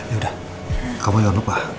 yaudah kamu jangan lupa